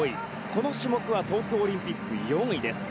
この種目は東京オリンピック４位です。